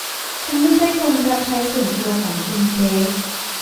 ฉันไม่ใช่คนรับใช้ส่วนตัวของคุณเจค